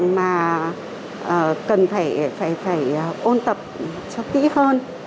mà cần phải ôn tập cho kĩ hơn